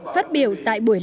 phát biểu tại buổi sáng